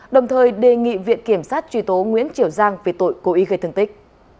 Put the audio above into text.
đồng thời đề nghị viện kiểm sát truy tố nguyễn triểu giang về tội cố ý gây thương tích